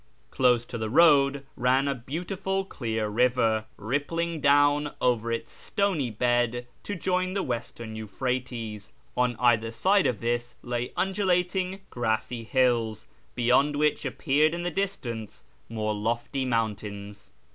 Close to the road ran a beautiful clear river, rippling down over its stony bed to join the Western Euphrates. On either side of this lay undulating grassy hills, beyond which appeared in the distance more lofty mountains.